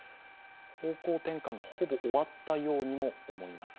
方向転換が、ほぼ終わったようにも思います。